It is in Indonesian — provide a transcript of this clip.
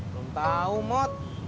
belum tahu mot